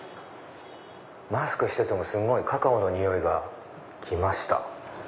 マスクしててもすごいカカオの匂いが来ました。